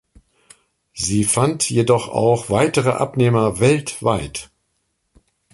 Sie fand jedoch auch weitere Abnehmer weltweit.